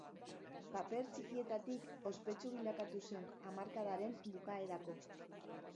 Paper txikietatik, ospetsu bilakatu zen hamarkadaren bukaerako.